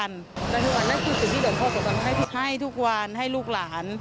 อันนั้นคือสิ่งที่หลวงพ่อประกันให้ทุกวันให้ลูกหลาน